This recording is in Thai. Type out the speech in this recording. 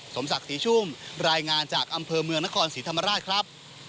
สมศักดิ์ศรีชุ่มรายงานจากอำเภอเมืองนครศรีธรรมราชครับ